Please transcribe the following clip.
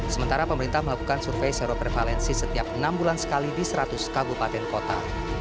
sementara pemerintah melakukan survei seroprevalensi setiap enam bulan sekali di seratus kabupaten kota